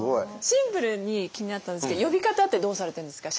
シンプルに気になったんですけど呼び方ってどうされてるんですか？